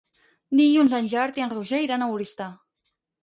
Dilluns en Gerard i en Roger iran a Oristà.